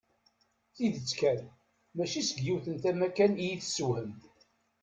Tidet kan, mačči seg yiwet n tama kan i yi-tessewhem.